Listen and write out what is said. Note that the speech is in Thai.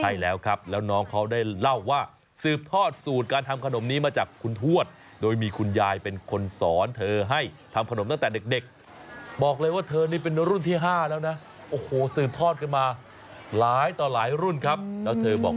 ใช่แล้วครับแล้วน้องเขาได้เล่าว่าสืบทอดสูตรการทำขนมนี้มาจากคุณทวชโดยมีคุณยายเป็นคนสอนเธอให้ทำขนมตั้งแต่เด็ก